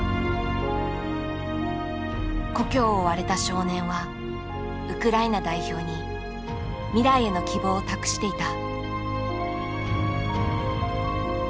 故郷を追われた少年はウクライナ代表に未来への希望を託していた。